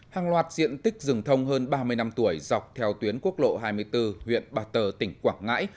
hàng loạt diện tích rừng thông hơn ba mươi năm tuổi dọc theo tuyến quốc lộ hai mươi bốn huyện bà tờ tỉnh quảng ngãi